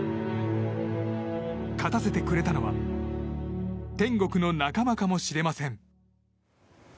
勝たせてくれたのは天国の仲間かもしれません。